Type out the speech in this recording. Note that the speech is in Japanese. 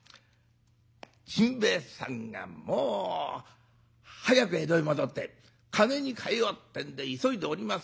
甚兵衛さんがもう早く江戸へ戻って金に換えようってんで急いでおります